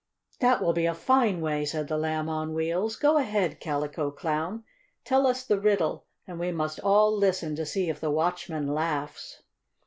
"That will be a fine way!" said the Lamb on Wheels. "Go ahead, Calico Clown. Tell us the riddle, and we must all listen to see if the watchman laughs."